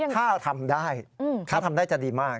ถ้าทำได้ถ้าทำได้จะดีมาก